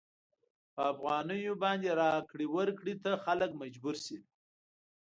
په افغانیو باندې راکړې ورکړې ته خلک مجبور شي.